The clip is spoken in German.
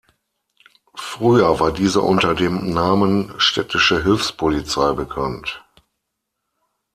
Früher war dieser unter dem Namen "Städtische Hilfspolizei" bekannt.